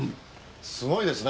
すごいですね。